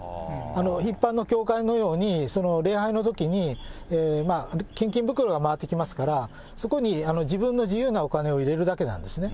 一般の教会のように、礼拝のときに、献金袋が回ってきますから、そこに自分の自由なお金を入れるだけなんですね。